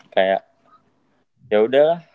kayak ya udah lah